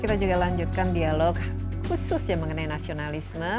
kita juga lanjutkan dialog khusus ya mengenai nasionalisme